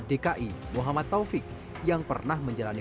dki muhammad taufik yang pernah menjalani